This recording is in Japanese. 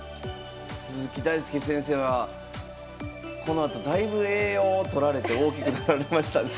鈴木大介先生はこのあとだいぶ栄養とられて大きくなられましたね。